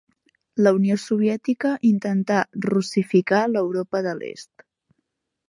La Unió Soviètica intentà russificar l'Europa de l'Est.